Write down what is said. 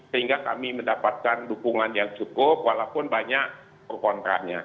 sehingga kami mendapatkan dukungan yang cukup walaupun banyak kontraknya